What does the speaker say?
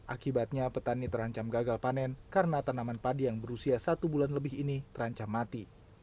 akibatnya petani terancam gagal panen karena tanaman padi yang berusia satu bulan lebih ini terancam mati